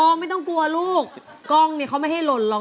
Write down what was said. ขอให้ได้นะละนานารีกา